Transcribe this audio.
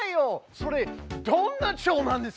それどんなチョウなんですか？